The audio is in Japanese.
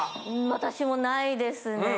私もないですね。